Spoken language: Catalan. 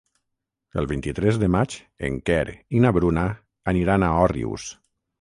El vint-i-tres de maig en Quer i na Bruna aniran a Òrrius.